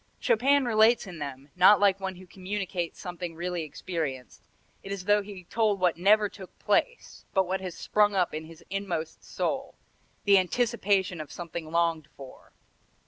Chopin relates in them, not like one who communicates something really experienced; it is as though he told what never took place, but what has sprung up in his inmost soul, the anticipation of something longed for.